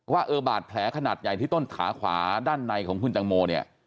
ว่าแผลขนาดใหญ่ที่ต้นขาขวาด้านในของคุณตังโม